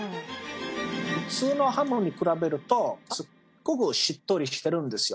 普通のハムに比べるとすごくしっとりしてるんですよ中が。